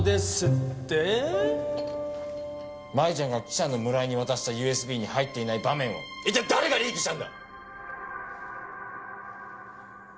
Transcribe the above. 真衣ちゃんが記者の村井に渡したＵＳＢに入っていない場面を一体誰がリークしたんだ？